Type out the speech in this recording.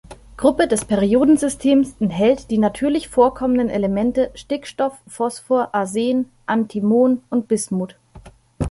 Gruppe des Periodensystems enthält die natürlich vorkommenden Elemente Stickstoff, Phosphor, Arsen, Antimon und Bismut.